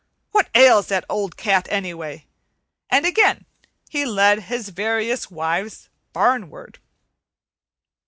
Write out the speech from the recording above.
What ails that old cat, anyway?" And again he led his various wives barn ward.